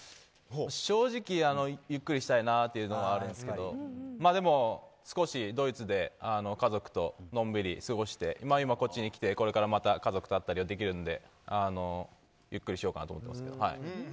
正直ゆっくりしたいなというのがあるんですけどでも少しドイツで家族とのんびり過ごして今こっちに来てこれからまた家族と会ったりできるのでゆっくりしようかなと思ってますけど。